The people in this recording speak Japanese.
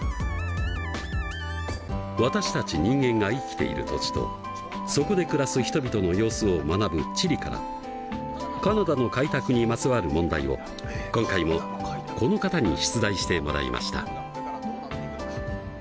私たち人間が生きている土地とそこで暮らす人々の様子を学ぶ「地理」からカナダの開拓にまつわる問題を今回もこの方に出題してもらいました。